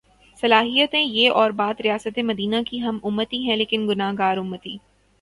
صلاحیتیں یہ اور بات ریاست مدینہ کی ہم امتی ہیں لیکن گناہگار امتی۔